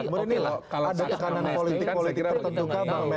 tapi ini loh kalau ada tekanan politik politik